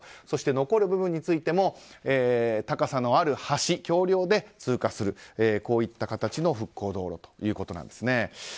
そして、残る部分についても高さのある橋橋梁で通過する、こういった形の復興道路ということです。